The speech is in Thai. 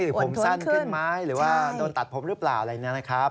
ผมสั้นขึ้นไหมหรือว่าโดนตัดผมหรือเปล่าอะไรอย่างนี้นะครับ